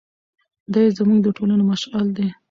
دی زموږ د ټولنې مشعل دی.